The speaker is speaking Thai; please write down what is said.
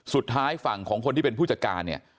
ฝั่งของคนที่เป็นผู้จัดการเนี่ย